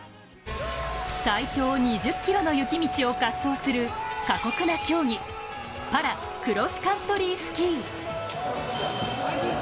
最長２０ｋｍの雪道を滑走する過酷な競技、パラクロスカントリースキー。